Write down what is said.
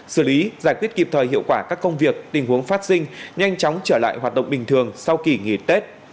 xử lý giải quyết kịp thời hiệu quả các công việc tình huống phát sinh nhanh chóng trở lại hoạt động bình thường sau kỳ nghỉ tết